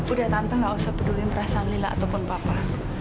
udah tante nggak usah peduliin perasaan lila ataupun papa